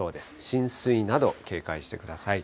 浸水など警戒してください。